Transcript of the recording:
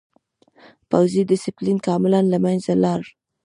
پوځي ډسپلین کاملاً له منځه لاړ.